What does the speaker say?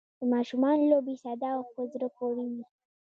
د ماشومانو لوبې ساده او په زړه پورې وي.